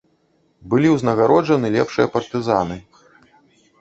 Былі ўзнагароджаны лепшыя партызаны.